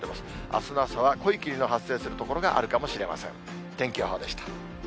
あすの朝は濃い霧の発生する所があるかもしれません。